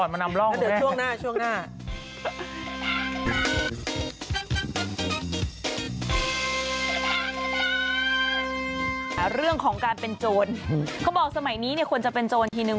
เรื่องของการเป็นโจรเขาบอกสมัยนี้เนี่ยควรจะเป็นโจรทีนึง